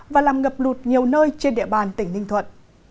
và làm ngập lụt nhiều nơi trên địa bàn tỉnh ninh thuận